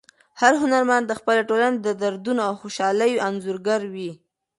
هر هنرمند د خپلې ټولنې د دردونو او خوشحالیو انځورګر وي.